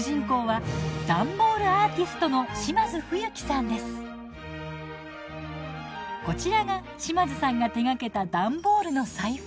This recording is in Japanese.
今日の主人公はこちらが島津さんが手がけた段ボールの財布。